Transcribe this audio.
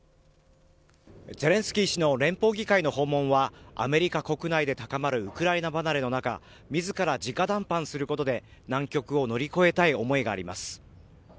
ゼレンスキー氏の連邦議会の訪問はアメリカ国内で高まるウクライナ離れの中自ら直談判することで難局を乗り越えたい思いがあります。